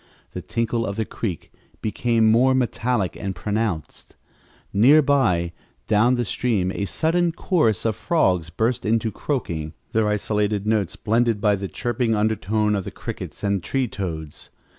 The tinkle of the creek became more metallic and pronounced. Near by, down the stream, a sudden chorus of frogs burst into croaking, their isolated notes blended by the chirping undertone of the crickets and tree toads.